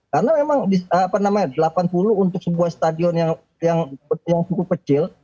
karena memang delapan puluh untuk sebuah stadion yang cukup kecil